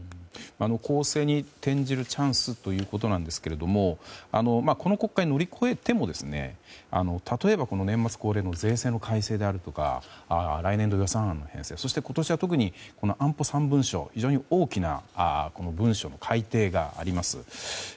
攻勢に転じるチャンスということなんですがこの国会を乗り越えても例えば年末恒例の税制の改正であるとか来年度予算案の編成そして今年は特に安保三文書という非常に大きな文書の改訂があります。